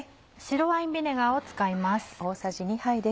白ワインビネガーを使います。